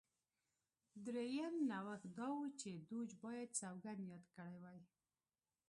درېیم نوښت دا و چې دوج باید سوګند یاد کړی وای